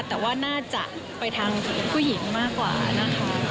แต่ว่าน่าจะไปทางผู้หญิงมากกว่านะคะ